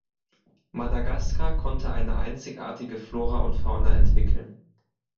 Madagaskar konnte eine einzigartige Flora und Fauna entwickeln.